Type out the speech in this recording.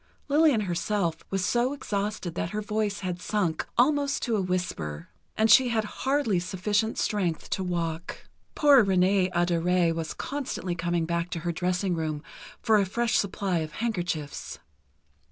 Lillian herself was so exhausted that her voice had sunk almost to a whisper, and she had hardly sufficient strength to walk. "Poor Renée Adorée was constantly coming back to her dressing room for a fresh supply of handkerchiefs.